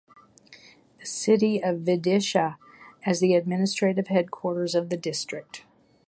The city of Vidisha as the administrative headquarters of the district.